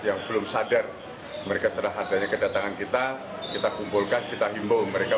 yang belum sadar mereka setelah adanya kedatangan kita kita kumpulkan kita himbau mereka